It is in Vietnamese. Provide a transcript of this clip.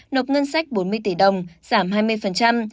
nộp ngân sách bốn mươi tỷ đồng giảm hai mươi